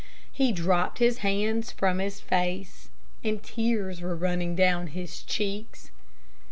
He dropped his hands from his face, and tears were running down his cheeks.